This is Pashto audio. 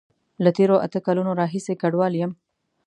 له تیرو اته کالونو راهیسی کډوال یم